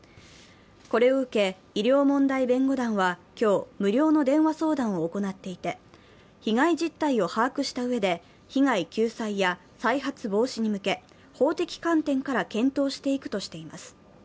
これを受け、医療問題弁護団は今日、無料の電話相談を行っていて被害実態を把握したうえで被害救済や再発防止に向け、法的観点から検討していくとしています。